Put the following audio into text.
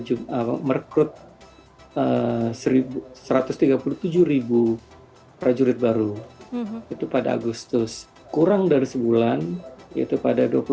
juga merekrut seribu satu ratus tiga puluh tujuh ribu prajurit baru itu pada agustus kurang dari sebulan itu pada dua puluh satu